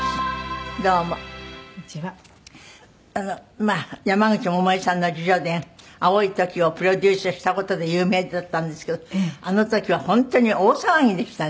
まあ山口百恵さんの自叙伝『蒼い時』をプロデュースした事で有名だったんですけどあの時は本当に大騒ぎでしたね。